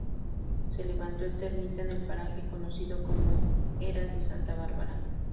Se levantó esta ermita en el paraje conocido como "Eras de Santa Bárbara".